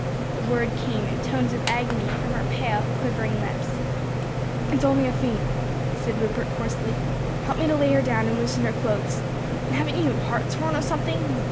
the word came in tones of agony from her pale, quivering lips. "It's only a faint," said Rupert hoarsely. "Help me to lay her down and loosen her clothes. And haven't you hartshorn or something!